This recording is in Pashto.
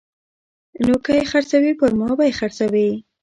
نو که یې خرڅوي پرما به یې خرڅوي